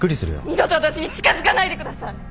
二度と私に近づかないでください！